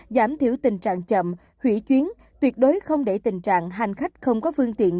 giảm thiểu tình trạng chậm hủy chuyến tuyệt đối không để tình trạng hành khách không có phương tiện